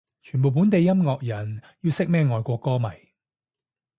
全部本地音樂人要識咩外國歌迷